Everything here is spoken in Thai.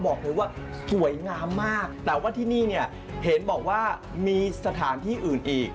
บอกเลยว่าสวยงามมากแต่ว่าที่นี่เนี่ยเห็นบอกว่ามีสถานที่อื่นอีก